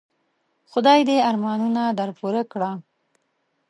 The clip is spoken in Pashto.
خدای دي ارمانونه در پوره کړه .